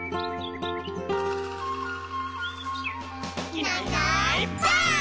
「いないいないばあっ！」